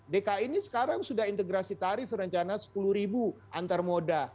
dki ini sekarang sudah integrasi tarif rencana rp sepuluh antar moda